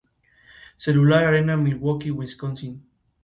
Esto ocurrió el último año de reinado de Marduk-nādin-aḫḫe, que fue derrocado.